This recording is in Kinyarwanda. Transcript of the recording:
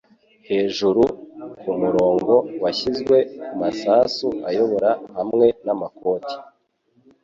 hejuru-kumurongo washyizwe kumasasu ayobora hamwe namakoti